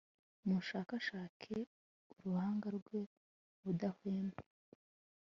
mushakashake uruhanga rwe ubudahwema